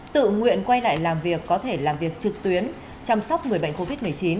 tự nguyện quay lại làm việc có thể làm việc trực tuyến chăm sóc người bệnh covid một mươi chín